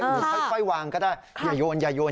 หรือค่อยวางก็ได้